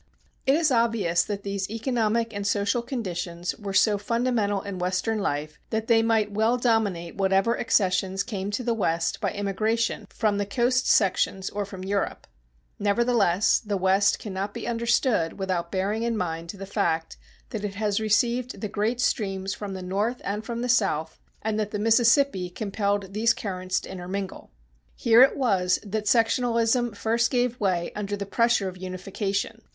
It is obvious that these economic and social conditions were so fundamental in Western life that they might well dominate whatever accessions came to the West by immigration from the coast sections or from Europe. Nevertheless, the West cannot be understood without bearing in mind the fact that it has received the great streams from the North and from the South, and that the Mississippi compelled these currents to intermingle. Here it was that sectionalism first gave way under the pressure of unification.